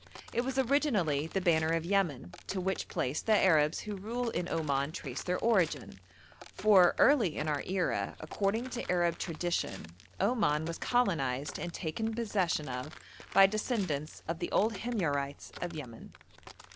It was originally the banner of Yemen, to which place the Arabs who rule in Oman trace their origin; for early in our era, according to Arab tradition, Oman was colonised and taken possession of by descendants of the old Himyarites of Yemen.